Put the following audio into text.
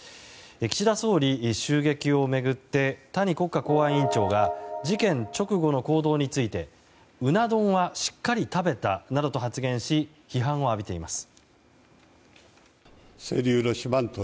岸田総理襲撃を巡って谷国家公安委員長が事件直後の行動についてうな丼はしっかり食べたなどと発言し批判を浴びています。